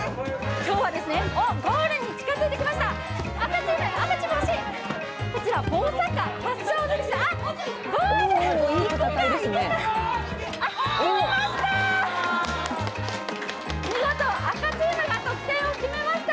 きょうは、おっ、ゴールに近づいてきました。